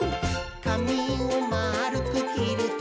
「かみをまるくきるときは、」